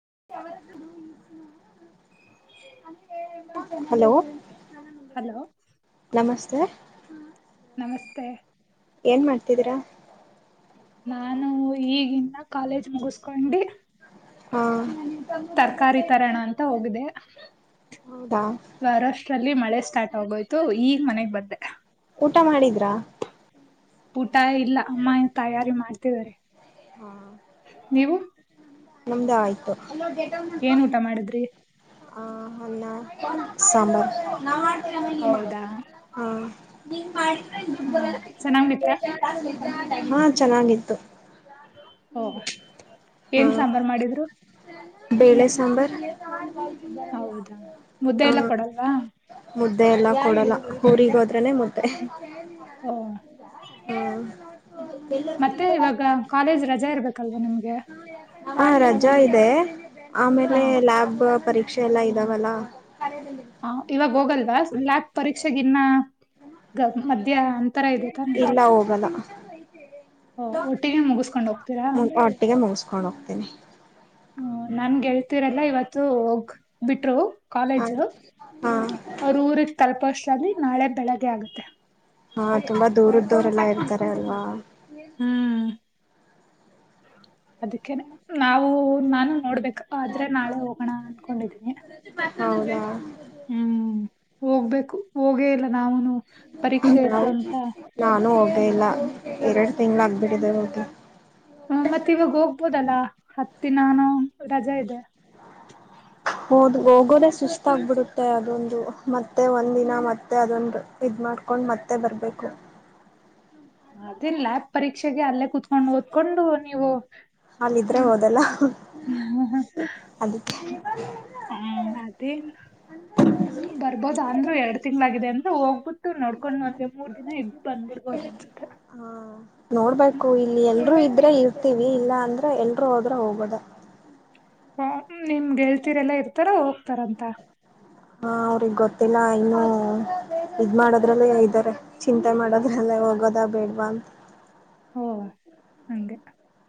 [inaudible] Hello hello ನಮಸ್ತೆ ಹ ನಮಸ್ತೆ ಏನ್ ಮಾಡ್ತಿದೀರಾ ನಾನು ಈಗಿಂದ ಕಾಲೇಜ್ ಮುಗಿಸಕೊಂಡಿ ಹಾ ತರಕಾರಿ ತರಣ ಅಂತ ಹೋಗಿದೆ ಹೌದಾ ಬಾರಷ್ಟ್ರಲ್ಲಿ ಮಳೆ ಸ್ಟಾರ್ಟ್ ಆಗೋಯ್ತು ಈಗ್ ಮನೆಗ್ ಬ್ದೆ ಊಟ ಮಾಡಿದ್ರಾ ಊಟ ಇಲ್ಲ ಅಮ್ಮ ತಯಾರಿ ಮಾಡ್ತಿದಿದ್ದಾರೆ ಹಾ ನೀವು ನಮ್ದ ಆಯ್ತು ಏನ್ ಊಟ ಮಾಡಿದ್ರಿ ಆ ಅಲ್ಲ ಸಾಂಬಾರ್ ಹೌದಾ ನೀನ್ ಮಾಡಿ ಹಾ ಚೆನ್ನಂಗ್ತ್ತ ಹಾ ಚೆನ್ನಾಗಿತ್ತು ಓ ಹಾ ಏನ್ ಸಾಂಬಾರ್ ಮಾಡಿದ್ರು ಬೇಳೆ ಸಾಂಬಾರ್ [unintelligible] ಹೌದಾ ಮುದ್ದೆ ಎಲ್ಲ ಕೊಡಲ್ವಾ ಮುದ್ದೆ ಎಲ್ಲ ಕೊಡಲ್ಲ ಊರರಿಗೆ ಹೋದ್ರನನೆ ಮುದ್ದೆ ಓ ಮತ್ತೆ ಇವಾಗ [unintelligible] ಕಾಲೇಜ್ ರಜೆ ಇರ್ಬೇಕಲ್ವಾ ನಿಮ್ಗೆ ಹ ರಜಾ ಇದೆ ಆಮೇಲೆ ಹಾ ಲ್ಯಾಬ್ ಪರೀಕ್ಷೆ ಎಲ್ಲಾ ಇದಾವಲ್ಲಾ ಹ ಇವಾಗ ಹೋಗಲ್ವಾ ಪರೀಕ್ಷೆಗ ಇನ್ನ ಗ ಮಧ್ಯ್ ಅಂತರ ಇದೆತಾನ ಮುಗಿಸಕೊಂಡ್ ಹೋಗ್ತೀರಾ ಮೌಸ್ ಹಕೊಂಡುಗ್ತೀನಿ ಹ ನನ್ ಗೆಳ್ತೀರಲ್ಲ ಇವತ್ತು ಹೋಗ ಬಿಟ್ರು ಹ ಕಾಲೇಜ್ ಹಾ ಅವ್ರ ಊರಿಗ್ ತಲುಪೋಷ್ಟ್ರಲ್ಲಿ ನಾಳೆ ಬೆಳಗ್ಗೆ ಆಗುತ್ತೆ ದೋರೆಲ್ಲಾ ಇರ್ತಾರೆ ಅಲ್ವಾ ಅದಕ್ಕೆ ನಾವು ನಾನು ನೋಡ್ಬೇಕ ಆದ್ರೆ ನಾಳೆ ಹೋಗೋಣ ಅನ್ಕೊಂಡಿದೀನಿ ಹೌದಾ ಹ್ಮ್ ಹೋಗ್ಬೇಕು ಹೋಗೇ ಇಲ್ಲ ನಾವನು ಹ ನಾನು ಇಲ್ಲ ಎರಡು ತಿಂಗ್ಳ ಆಗ್ಬಿಟ್ಟಿದೆ ಹೋಗಿ ನಮ್ಮತ್ತ ಇವಾಗ ಹೋಗ್ಬೋದಲ್ಲ ಹತ್ತಿನಾ ರಜೆ ಇದೆ ಹೋದ್ ಹೋಗೋದೇ ಸುಸ್ತಾಗಬಿಡುತ್ತೆ ಅದೊಂದು ಮತ್ತೆ ಒಂದಿನ ಮತ್ತೆ ಅದೊಂದು ಇದ ಮಾಡ್ಕೊಂಡು ಮತ್ತೆ ಬರಬೇಕು ಅದೇ ಲ್ಯಾಬ್ ಪರೀಕ್ಷೆಗೆ ಅಲ್ಲೇ ಕುತ್ಕೊಂಡು ಓದ್ಕೊಂಡು ನೀವು ಅಲ್ದ್ರೆ ಹ್ಮ್ ಹೋದಲ್ಲ ಅದಕ್ಕೆ ಹ್ಮ್ ಅದೇನ್ ಬರ್ಬೋದ ಅಂದ್ರು ಎರಡ್ ತಿಂಗ್ಳಾಗಿದೆ ಅಂದ್ರೆ ಹೋಗ್ಬಿಟ್ಟ ನೋಕೊಂಡ್ ಒಂದ್ ಮೂರ್ ದಿನ ಇದ್ದವಿ ಬಂದ್ಬರ್ಬೋದ ತೆ ಹ್ಮ ನೋಡ್ಬೇಕು ಇಲ್ಲಿ ಎಲ್ರೂ ಇದ್ರೆ ಇ ಹತವಿ ಇಲ್ಲಾ ಅಂದ್ರ ಎಲ್ರು ಹೋದ್ರ ಹೋಗೋದ ಹ ನಿಮ್ ಗೆೇಳ್ತರ್ಲ್ಲಾ ಇರ್ತಾರ ಹೋಗ್ತಾರ ಅಂತ ಹಾ ಅವ್ರಗ್ ಗೊತ್ತಿಲ್ಲ ಇನ್ನು ಇದ್ ಮಾಡೋದ್ರಲ್ಲೇ ಇದ್ದಾರೆ ಚಿಂತೆ ಮಾಡೋದ್ರಲ್ಲೇ ಹೋಗೋದ ಬೇಡ್ವಾ ಅಂತ ಓ ಹಗೆ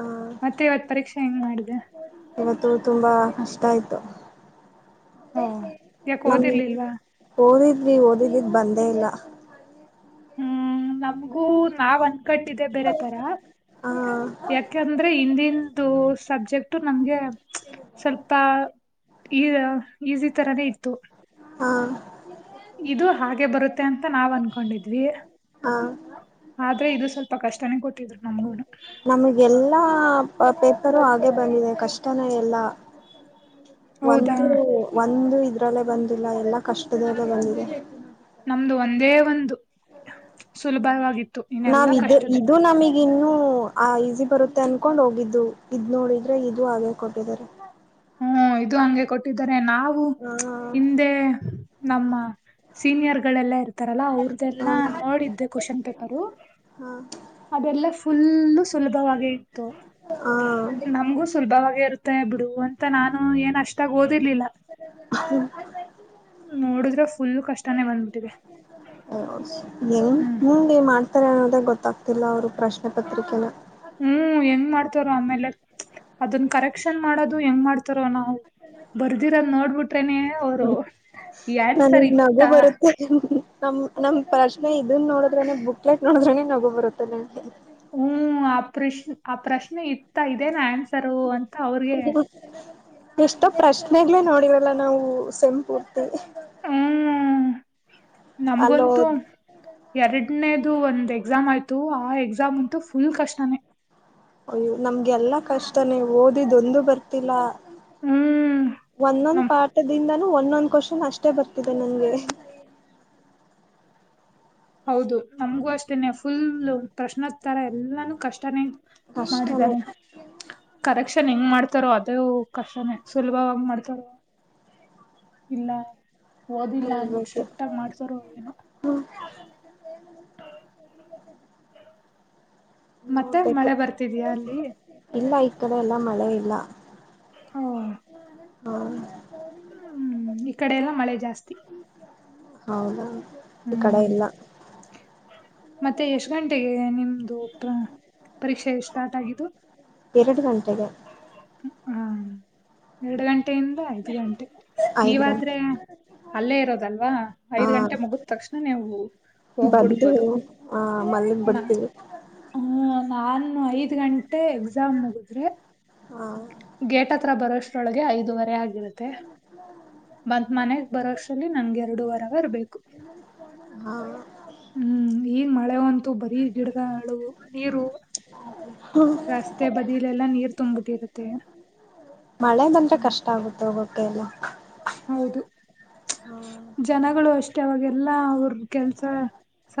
ಹ ಮತ್ತೆ ಇವತ್ ಪರೀಕ್ಷೆ ಹೆಂಗ್ ಮಾಡಿದೆ ಏನತ್ತುೂ ತುಂಬಾ ಕಷ್ಟ ಆಯ್ತು ಓ ಯಾಕ್ ನಮ್ ಓದಿರ್ಲಿಲ್ವಾ? ಓದಿದ್ವಿ ಓದದಿದವಿ ಬಂದೇ ಇಲ್ಲ ಹ್ಮ್ ನಮಗೂ ನಾವ್ ಅನ್ಕಟ್ಟಿದೆೆ ಬೇರೆ ತರ ಹ ಯಾಕಂದ್ರೆ ಹಿಂದಂದು ಸಬ್ಜೆಕ್ಟ್ ನಮ್ಗೆ ಸ್ವಲ್ಪ ಈ ಈಸಿ ತರಾನೇ ಇತ್ತು ಹಾ ಇದು ಹಾಗೆ ಬರುತ್ತೆ ಅಂತ ನಾವ್ ಅನ್ಕೊಂಡಿದ್ವಿ ಹಾ ಆದ್ರೆ ಇದು ಸ್ವಲ್ಪ ಕಷ್ಟನೇ ಕೊಟ್ಟಿದ್ರು ನಮ್ಗೂನು ನಮಗೆ ಎಲ್ಲಾ ಪೇಪರು ಹಾಗೆ ಬಂದಿದೆ ಕಷ್ಟನೇ ಎಲ್ಲಾ ಹೌದಾ ಒಂದು ನಂದು ಇದ್ರಲ್ಲೇ ಬಂದಿಲ್ಲ ಎಲ್ಲಾ ಕಷ್ಟದಲ್ಲ ಬಂದಿದೆ ನಮ್ದು ಒಂದೇ ಒಂದು ಸುಲಭವಾಗಿತ್ತು ನಾವ್ ಇನ್ನೆಲ್ಲಾ ಇದು ಕಷ್ಟದೆ ಇದು ನಮಗ್ ಈ ಇನ್ನು ಆ ಈಸಿ ಬರುತ್ತೆ ಅನ್ಕೊಂಡ್ ಹೋಗಿದ್ದು ಇದ್ ನೋಡಿದ್ರೆ ಇದು ಹಾಗೆ ಕೊಟ್ಟಿದ್ದಾರೆ ಹ್ಮ ಇದು ಹಂಗೆ ಕೊಟ್ಟಿದ್ದಾರೆ ನಾವು ಹಾ ಹಿಂದೆ ನಮ್ಮ ಸೀನಿಯರ್ ಗಳೆಲ್ಲಾ ಇರ್ತೆ ಇತಾರಲ್ಲಾ ಹಾ ಅವ್ರ್ದಲ್ಲಾ ಹಾ ನೋಡಿದ್ದೆ ಕ್ವಶನ್ ಪೇಪರು ಅದೆಲ್ಲ ಫುಲ್ಲು ಸುಲಭವಾಗಿ ಇತ್ತು ಹಾ ನಮ್ಗೂ ಸುಲಭವಾಗಿ ಇರುತ್ತೆ ಬಿಡು ಅಂತ ನಾನು ಏನ್ ಅಷ್ಟಾಗ ಓದ ನೋಡುದ್ರೆ ಫುಲ್ ಕಷ್ಟಾನೇ ಬಂದ್ಬಿಟ್ಟಿದೆ ಹೆಂಗೆ ಹ್ಮ್ ಮುಂದೆ ಮಾಡ್ತಾರೆ ಅನ್ನೋದಾಗ ಗೊತ್ತಾಗ್ತಿಲ್ಲ ಅವರು ಪ್ರಶ್ನೆ ಪತ್ರಿಕೆನ ಹ್ಮ್ ಹೆಂಗ್ ಮಾಡ್ತಾರ ಆಮೇಲೆ ಅದನ್ ಕರೆಕ್ಷನ್ ಮಾಡೋದು ಹೆಂಗ್ ಮಾಡ್ತಾರ ನಾವು ಬರ್ದಿರಲ್ ನೋಡ್ಬಿಟ್ರೇನ ಅವರು ಈ ಆನ್ಸರ್ ನನಗ್ ನಗು ಇತ್ತಾ ಬರುತ್ತೆ ನಮ್ ನಮ ಪ್ರಶ್ನೆ ಇದನ್ ನೋಡಿದ್ರನೆ ಬುಕ್ಲೆಟ್ ನೋಡದ್ರನೆ ನಗೋ ಬರುತ್ತೆ ಹ್ಮ್ ಆ ಪ್ರಶ್ ಆ ಪ್ರಶ್ನೆ ಇತ್ತ ಇದದೆ ನನ್ ಎಷ್ಟೋ ಪ್ರಶ್ನೆಗ್ ನೋ ಇವೆಲ್ಲ ನಾವು ಸೆಂಪು ಹತಿವಿ ಹ್ಮ ನಮ್ಗಂತೂ ಅಲ್ಲೋದ್ ಎರಡನೇ ಇದು ಒಂದ್ ಎಕ್ಸಾಮ್ ಆಯ್ತು ಆ ಎಕ್ಸಾಮ್ ಅಂತು ಫುಲ್ ಕಷ್ಟಾನೇ. ಅಯ್ಯೋ ನಮ್ಗೆ ಎಲ್ಲಾ ಕಷ್ಟನೇ ಓದಿದೊಂದು ಬರ್ತಿಲ್ಲ. ಹ್ಮ್ ಒಂದೊಂದ ನಮ್ ಪಾಠದಿಂದ ಒಂದೊಂದ್ ಕ್ವಶನ್ ಅಷ್ಟೆ ಬರ್ತಿದೆ ನಂಗೆ. ಹೌದು ನಮಗೂ ಅಷ್ಟೇನೆ ಫುಲ್ ಪ್ರಶ್ನಾ ತರಾ ಎಲ್ಲಾನು ಕಷ್ಟನೇ ಕಷ್ಟನೇ ಮಾಡಿದ್ದಾರೆ ಕರೆಕ್ಷನ್ ಹೆಂಗ್ ಮಾಡ್ ಮಾಡ್ತಾರೋ ಅದೇ ಕಷ್ಟನೇ ಸುಲಭವಾಗಿ ಮಾಡ್ತಾರೋ ಇಲ್ಲ ಓದಿಲ್ಲ ಅನ್ಬಿಟ್ಟು ನೋಡ್ಬೇಕು ಸ್ಟ್ರಿಕ್ ಆಗ ಮಾಡ್ತಾರ ಏನೊ. ಹ್ಮ್ [inaudible] ಮತ್ತೆ ನೋಡ್ಬೇಕು ಮಳೆ ಬರ್ತಿದ್ಯಾ ಅಲ್ಲಿ ಇಲ್ಲ ಈ ಕಡೆ ಎಲ್ಲಾ ಮಳೆ ಇಲ್ಲ. ಹಾ ಹಾ ಹ್ಮ್ ಈ ಕಡೆ ಎಲ್ಲ ಮಳೆ ಜಾಸ್ತಿ. ಹೌದಾ ಈ ಕಡೆ ಹ್ಮ್ ಇಲ್ಲ. ಮತ್ತೆ ಎಷ್ಟ್ ಗಂಟೆಗೆ ನಿಮ್ದು ಪರೀಕ್ಷೆ ಸ್ಟಾರ್ಟ್ ಆಗಿದ್ದು. ಎರಡು ಗಂಟೆಗೆ. ಹಾ ಎರಡು ಗಂಟೆಯಿಂದ ಐದ ಗಂಟೆ ಐದು ಗಂಟೆ ನೀವಾದ್ರೆ ಅಲ್ಲೇ ಇರೋದಲ್ವಾ ಹಾ ಐದ್ ಗಂಟೆ ಮುಗಿದ ತಕ್ಷಣ ನೀವು ಬಂದು ಹೋಗ್ಬಿಡ್ಬೋದು ಆ ಮಲಗ್ ನಾ ಬಿಡ್ತೀವಿ ಹ್ಮ ನಾನು ಐದ್ ಗಂಟೆ ಎಕ್ಸಾಮ್ ಮುಗಿದ್ರೆ ಹ ಗೇಟ್ ಹತ್ರ ಬರೋಷ್ಟ್ರೊಳಗೆ ಐದುವರೆ ಆಗಿರುತ್ತೆ. ಬಂತ್ ಮನೆಗೆ ಬರೋಷ್ಟ್ರಲ್ಲಿ ನನ್ಗೆರಡೂವರ್ ಅವರ್ಬೇಕು. ಹಾ ಹ್ಮ್ ಈ ಮಳೆ ಂತು ಬರೀ ಗಿಡಗಳು ನೀರು ರಸ್ತೆ ಬದಿಲೆಲ್ಲ ನೀರ್ ತುಂಬಿಟ್ಟಿರುತ್ತೆ ಮಳೆ ಬಂದ್ರೆ ಕಷ್ಟ ಆಗುತ್ತೆ ಹೋಗೋಕ್ಕೆ ಎಲ್ಲ. ಹೌದು ಜನಗಳು ಅಷ್ಟೆ ಅವಾಗೆಲ್ಲಾ ಅವ್ರ ಕೆಲ್ಸ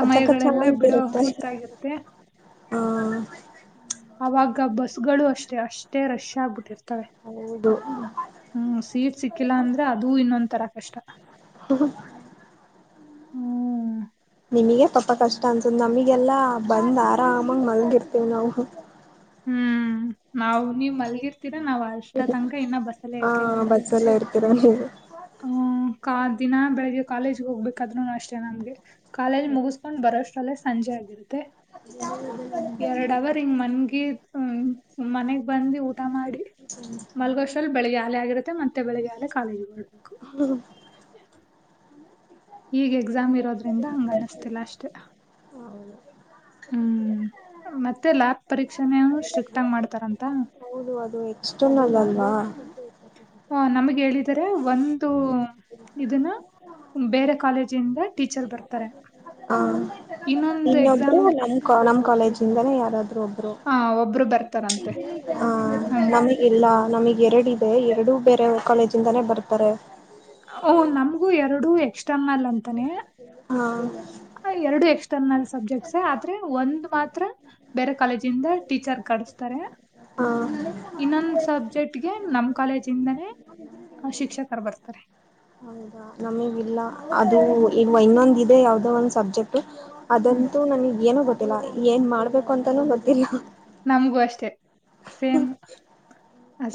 ಕಚ್ಚ ಕಚ್ಚ ಬಿಡೋ ಅಂತಿರುತ್ತೆ ಹೊತ್ತಾಗಿರುತ್ತೆ. ಹಾ ಅವಾಗ ಬಸ್ಗಳು ಅಷ್ಟೇ ಅಷ್ಟೇ ರಶ್ ಆಗ್ಬುಟ್ಟಿರ್ ಹೌದು ಹ್ಮ್ ಸೀಟ್ ಸಿಕ್ಕಿಲ್ಲಾ ಅಂದ್ರೆ ಅದೂ ಇನ್ನೊಂದ ತರ ಕಷ್ಟ. [inaudible] ಹ್ಮ ನಿಮಿಗೆ ಪಾಪ ಕಷ್ಟ ಅಂತಸ್ದ ನಮಿಗೆಲ್ಲ ಬಂದು ಆರಾಮಾಗಿ ಮಲಗಿರ್ತೇವಿ ನಾವು. ಹ್ಮ್ ನಾವು ನೀವ್ ಮಲ್ಗಿರ್ ರ್ತೀರಾ ನಾವ್ ಅಷ್ಟ ತನಕ ಇನ್ನ ಬಸ್ಸಲ್ಲೇ ಇರ್ತೀವಿ ಎರಡ ಅವರ್ ಬಸ್ಸಲ್ಲೇ ಇರ್ತೀರ ನೀವು ಹ ಕ ದಿನ ಬೆಳಿಗ್ಗೆ ಕಾಲೇಜ್ ಹೋಗ್ಬೇಕಾದ್ರೂನೂ ಅಷ್ಟೇ ನಮ್ಗೆ. ಕಾಲೇಜ್ ಮುಗಸ್ಕೊಂಡ್ ಬರೋಷ್ಟ್ರಲ್ಲೇ ಸಂಜೆ ಆಗಿರುತ್ತೆ. ಎರಡ್ ಅವರ್ ಹಿಂಗ್ ಮನ್ಗಿ ಮನೆಗ್ ಬಂದಿ ಊ ಟ ಮಾಡಿ ಮಲ್ಗೋಷ್ಟ್ರಲ್ಲಿ ಬೆಳಿಗ್ಗೆ ಆಲೇ ಆಗಿರುತ್ತೆ ಮತ್ ತ್ತೆ ಬೆಳಿಗ್ಗೆಯಾಲ್ಲೇ ಕಾಲೇಜುಗೋಗ್ಬೇಕು ಈಗ್ ಎಕ್ಸಾಮ್ ಇರೋದ್ರಿಂದ ಹಂಗ ಅನಿಸ್ತಿಲ್ಲ ಅಷ್ಟೇ. ಹ್ಮ್ ಮತ್ತೆ ಲ್ಯಾಬ್ ಪರೀಕ್ಷೆನ ಸ್ಟ್ರಿಕ್ಟ್ ಆಗಿ ಮಾಡ್ತಾರಂತ. ಹೌದು ಅದು ಎಕ್ಸ್ಟರ್ನಲ್ ಅಲ್ವಾ ಹಾ ನಮಗ್ ಹೇಳಿದ್ದಾರೆ ಒಂದು ಇದನ್ನ ಬೇರೆ ಕಾಲೇಜಿಂದ ಟೀಚರ್ ಬರ್ತಾರೆ. ಹ ಇನ್ನೊಂದು ಇನ್ನೊಬ್ರು ಎಕ್ಸಾಮ್ ನಮ್ ನಮ ಕಾಲೇಜ ಇಂದಾನೇ ಯಾರಾದ್ರೂ ಒಬ್ರು ಹಾ ಒಬ್ರು ಬರ್ತಾರಂ ಹಾ ನಮಿಗ್ ಇಲ್ಲ ನಮಿಗ್ ಎರಡ ಇದೆ ಎರಡೂ ಬೇರೆ ಕಾಲೇಜ ಇಂದಾನೇ ಬರ್ತಾರೆ. ಓಹ ನಮಗೂ ಎರಡು ಎಕ್ಸ್ಟ ಮಲ್ ಅಂತಾನೆ. ಹಾ ಎರಡು ಎಕ್ಸ್ಟರ್ನಲ್ ಸಬ್ಜೆಕ್ಟ್ಸ್ ಆದ್ರೆ ಒಂದು್ ಮಾತ್ರ ಬೇರೆ ಕಾಲೇಜ ಇಿಂದ. ಟೀಚರ್ ಕಡಸ್ತಾರೆ ಹಾ ಇನ್ನೊಂದು ಸಬ್ಜೆಕ್ಟ್. ಗೆ ನಮ್ ಕಾಲೇಜ ಇಿಂದಾನೇ ಶಿಕ್ಷಕರು ಬರ್ತಾರೆ. ನಮೇಗ್ಲ್ಲ ಅದು ಈ ಇನ್ನೊಂದ ಇದೆ ಯಾವದೋ ಒಂದ್ ಸಬ್ಜೆಕ್ಟ್. ಹ್ಮ್ ಅದಂತೂ ನನಗ್ ಏನ ಗೊತ್ತಿಲ್ಲ ಏನ್ ಮಾಡ್ಬೇಕು ಅಂತಾನೂ ಗೊತ್ತಿಲ್ಲ. ನಮ್ಗೂ ಅಷ್ಟೆ ಸೇಮ್.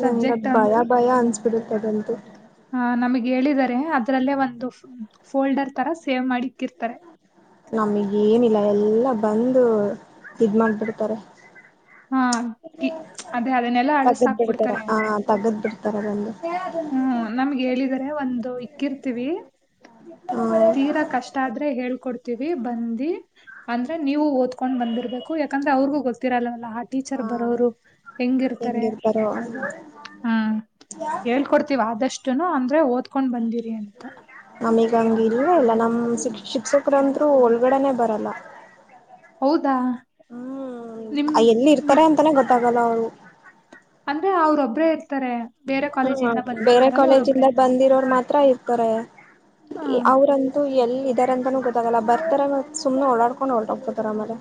ನಂಗಗೆ ಭಯ ಭಯ ಅನ್ಸ್ಬಿಡತ್ತೆದಂತು. ಹ ನಮಗ್ ಹೇಳಿದರೆ ಅದ್ರಲ್ಲೇ ಒಂದು ಫೋಲ್ಡರ್ ತರ ಸೇವ್ ಮಾಡಿ. ಇಕ್ಕಿರ್ತಾರೆ ನಮಗ್ ಏನಿಲ್ಲ ಎಲ್ಲಾ ಬಂದು ಇದ್ ಮಾಡ್ಬಿಡ್ತಾರೆ. ಹಾ ಕಿ- ಅದೇ ಅದನ್ನೆಲ್ಲಾ ತಗದ್ ಬಿಡ್ತಾರ ಅಳಿಸಾಕ್ಬಿಡ್ತಾರೆ ಹ ತಗದ್ ಬಿಡ್ತಾರ ಬಂದು. ಹ್ಮ್ ನಮ್ಗೆ ಹೇಳಿದರೆ ಒಂದು ಇಕ್ಕಿರ್ತೀವಿ. ಹಾ ತೀರಾ ಕಷ್ಟ ಆದ್ರೆ ಹೇಳ್ಕೊಡ್ತೀವಿ ಬಂದಿ. ಅಂದ್ರೆ ನೀವು ಓದ್ಕೊಂಡ್ ಬಂದಿರ್ಬೇಕು ಯಾಕಂದ್ರೆ ಅವ್ರಿಗೂ ಗೊತ್ತಿರಲ್ಲವಲ್ಲ ಆ ಟೀಚರ್ ಬರೋರು ಹೆಂಗಿರ್ತಾರೆ. ಹ. ಹ್ಮ್ ಹೇಳ್ಕೊಡ್ತಿೀವ ಆದಷ್ಟುನು ಅ. ಆದ್ರೆ ಓದ್ಕೊಂಡ್ ಬಂದಿರಿ ಅಂತ. ಂ ಇಲ್ವ ಅಲ್ಲ ನಮ್ಮ್ ಶ ಶಿಕ್ಷಕರಂದರು ಒಳಗಡೆನೆ ಬರಲ್ಲ. ಹೌದಾ ನಿಮ್ ಹ್ಮ್ ಎಲ್ಲಿ ಇರ್ತಾರೆ ನಿಮ್ ಅಂತಾನೇ ಗೊತ್ತಾಗಲ್ಲ ಅವ್ರು. ಅಂದ್ರೆ ಅವ್ರೊಬ್ಬ್ರೇ ಇರ್ತಾರೆ. ಬೇರೆ ಹಾ ಇಂದ ಬೇರೆ ಬಂದಿರ್ತಾರಲ್ಲ ಕಾಲೇಜಿಂದ ಅವ್ರೊಬ್ರೇ ಬಂದಿರೋರು ಮಾತ್ರಇರ್ತಾರೆ. ಆ ಅವ್ರಂತೂ ಎಲ್ಲ ಇದಾರೆಂತಾನೂ ಗೊತ್ತಾಗಲ್ಲ. ಬರ್ತಾರ ಸುಮ್ಮನೆ ಓಡಾಡ್ಕೊಂಡ್ ಹೊಓಟೋಗ್ಕೋತಾರ ಆಮೇಲೆ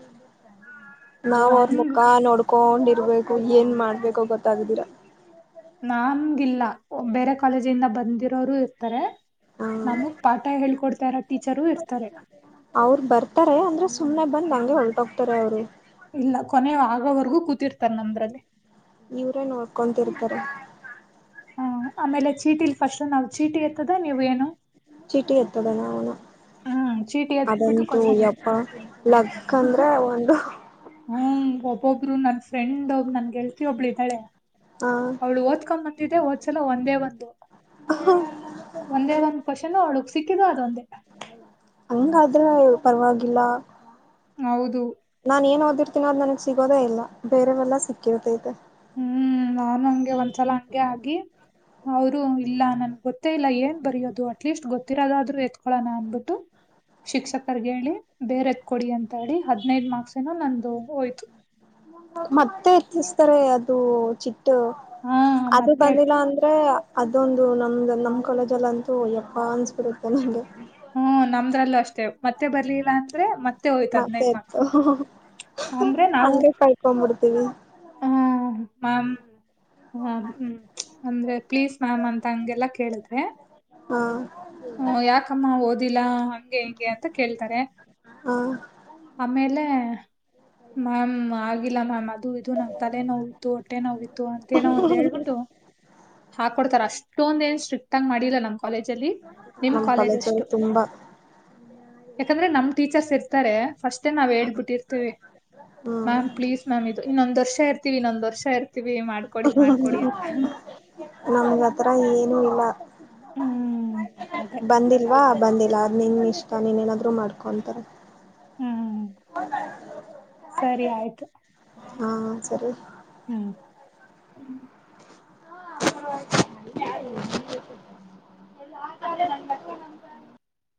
ಓ ನಾವ್ ಅವ್ರ ಹಂಗ್ ಮುಖಾ ನೋಡ್. ತಕೊಂಡಿರ್ಬೇಕು ಏನ್ ಮಾಡ್ಬೇಕು ಗೊತ್ತಾಗದಿರಾ. ನಾಗೆಿಲ್ಲ ಬೇರೆ ಕಾಲೇಜಿಂದ ಬಂದಿರೋರು ಇರ್ತಾರೆ. ಹ ನಮಗ್ ಪಾಠ ಹೇಳ್ಕೊಡ್ತಾರ ಟೀಚರು ಇರ್ತಾರೆ. ಸುಮ್ಮನೆ ಬಂದು ಹಂಗೆ ಹೊರಟ ಹೋಗ್ತಾರೆ ಅವ್ರು. ನಂದ್ರಲ್ಲಿ. ಇವ್ರೇ ನೋಡ್ಕೊಂತರ್ತಾರೆ. ಹಾ ಆಮೇಲೆ ಚೀಟಿಲ್ ಫಸ್ಟ್ ನಾವ್ ಚೀಟಿ ಎತ್ತದ ನೀವ್ ಏನು. ಟಿಗೆ ಎ ತದೆಣ ಅವ. ಹ್ಮ್ ಚೀಟಿ ಎತ್ಬಿಟ್ಟು ಅದಂತೂ ಕ್ವಶನ್ ಯಪ್ಪ ಲಕ್ ಅಂದ್ರೆ ಒಂದು. ಹ್ಮ ಒಬ್ಬೊಬ್ರು ನನ್ ಫ್ರೆಂಡ್ ಒಬ್ ನನ್ ಗೆಲ್ತ ಒಬ್ಳ ಇದ್ದಾಳೆ. ಹ ಅವ್ಳು ಓದ್ಕೊಂಡ್ ಬಂತಿದ್ದೆ ಓದ್ಸಲ ಒಂದೇ ಬಂದು. ಒಂದೇ ಒಂದ ಕ್ವಶನ್ ಅವಳಗ್ ಸಿಕ್ಕಿದು ಅದೊಂದೇ. ಹಂಗಾದ್ರೆ ಪರವಾಗಿಲ್ಲ. ಹೌದು. ನಾನ್ ಏನ್ ಓದಿರ್ತೀನೋ ಅದು ನನಗ್ ಸಿಗೋದೇ ಇಲ್ಲ ಬೇರವೆಲ್ಲಾ ಸಿಕ್ಕಿರ್ತೈತೆ. ಹ್ಮ್ ನಾನು ಹಂಗೆ ಒಂದ್ಸಲ ಹಗೆ ಆಗಿ. ಅವರು ಇಲ್ಲ ನನ್ಗ್ ಗೊತ್ತೇ ಇಲ್ಲ ಏನ್ ಬರಯೋದು ಅಟ್ಲೀಸ್ಟ್ ಗೊತ್ತಿರೋದಾದ್ರು ಎತ್ಕೊಳೋಣ ಅನ್ಬಿಟ್ಟು. ಶಿಕ್ಷಕರ್ಗ ಹೇಳಿ ಬೇರೆತ್ ಕೊಡಿ ಅಂತ ಹೇಳಿ ಹದ್ನೈದ ಮಾರ್ಕ್ಸ ಏನ ನಂದು ಹೋಯ್ತು. ಮತ್ತೆ ಎತ್ತಿಸತಾರೆ ಅದು ಚಿ. ಹಾ ಅದು ಮತ್ತೆ ಬಂದಿಲ್ಲ ಅಂದ್ರೆ ಅ. ಇದೊಂದು ನಮ್ದ ನಮ್ ಕಾಲೇಜಲ್ಲಿ ಅಂತೂ ಎಪ್ಪ ಅನ್ಸ್ಬಿಡುತ್ತೆ ನಂಗೆ. ಹ್ಮ ನಮ್ದ್ರಲ್ಲೂ ಅಷ್ಟೇ ಮತ್ತೆ ಬರ್ಲಿಲ್ಲ ಅಂದ್ರೆ ಮತ್ತ. ಹೋಯ್ತ ಮತ್ತೆ ಅದ್ನೈದು ಮಕ್ಸ ಇತ್ತು ಅಂದ್ರೆ ನಾವು. ಹಂಗೆ ಕಳ್ಕೊಂಡ್ಬಿಡ್ತೀವಿ ಹ್ಮ ಮೆಮ್. ಹಾ ಹ್ಮ್ ಅಂದ್ರೆ ಪ್ಲೀಸ್ ಮ್ಯಾಮ್ ಅಂತ ಹಂಗೆಲ್ಲಾ ಕೇಳಿದ್ರೆ. ಹಾ ಹ್ಮ ಯಾಕಮ್ಮ ಓದಿಲ್ಲಾ ಹಂಗೆ ಹಿಂಗೆ ಅಂತ ಕೇಳ್ತಾರೆ. ಹಾ ಆಮೇಲೆ ಮ್ಯಾಮ್ ಆಗಿಲ್ಲ ಮ್ಯಾಮ್ ಅದು. ಇತ್ತು ನಮ್ ತಲೆ ನೋವಿತ್ತು ಹೊಟ್ಟೆ ನೋವಿತ್ತು ಅಂತ ಏನೋ ಒಂದ್ ಹೇಳ್ಬಿಟ್ಟು ಹಾಕೊಡ್ತಾರ್ ಅಷ್ಟೊಂದೇನ್ ಸ್ಟ್ರಿಕ್ಟ್ ಆಗ್ ಮಾಡಿಲ್ಲ ನಮ್ ಕಾಲೇಜಲ್ಲಿ. ನಮ್ ಕಾಲೇಜಲ್ ತುಂಬಾ. ಯಾಕಂದ್ರೆ ನಮ್ ಟೀಚರ್ಸ್ ಇರ್ತಾರೆ ಫಸ್ಟೇ ನಾವ್ ಹೇಳ್ಬಿಟ್ಟಿರ್ತೀವಿ. ಹ್ಮ್ ಮ್ಯಾಮ್ ಪ್ಲೀಸ್ ಮ್ಯಾಮ್ ಇದು ಇನ್ನೊಂದ್ ವರ್ಷ ಇರ್ತಿವಿ ಇನ್ನೊಂದ್ ವರ್ಷ ಇರ್ತಿವಿ ಮಾಡ್ ನಮ್ಗಾತರ ಏನು ಇಲ್ಲ. ಹ್ಮ್ ಅದೇ ಬಂದಿಲ್ವಾ ಬಂದಿಲ್ಲ ಅದ್ ನಿನ್ ಇಷ್ಟ ನೀನೇನಾದ್ರೂ ಮಾಡ್ಕೋ ಅಂತಾರೆ. ಹ್ಮ್ ಸರಿ ಆಯ್ತು. ಹಾ ಸರಿ. ಹ್ಮ್. [inaudible] [inaudible]